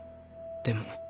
でも。